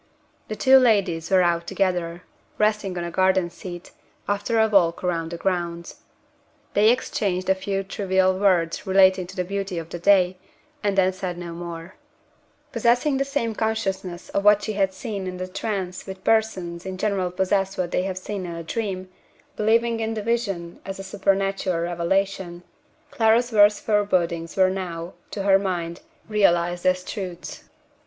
The two ladies were out together; resting on a garden seat, after a walk round the grounds. They exchanged a few trivial words relating to the beauty of the day, and then said no more. Possessing the same consciousness of what she had seen in the trance which persons in general possess of what they have seen in a dream believing in the vision as a supernatural revelation Clara's worst forebodings were now, to her mind, realized as truths.